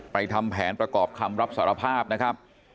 ทำแผนประกอบคำรับสารภาพนะครับ